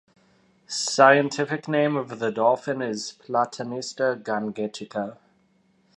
Scientific name of the dolphin is Platanista Gangetica.